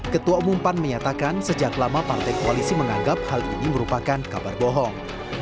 ketua umum pan menyatakan sejak lama partai koalisi menganggap hal ini merupakan kabar bohong